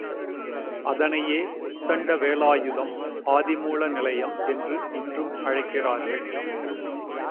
அதனையே உத்தண்ட வேலாயுதம் ஆதிமூல நிலையம் என்று இன்றும் அழைக்கிறார்கள்.